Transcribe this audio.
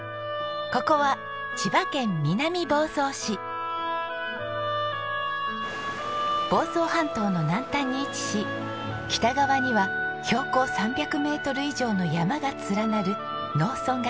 ここは房総半島の南端に位置し北側には標高３００メートル以上の山が連なる農村が広がります。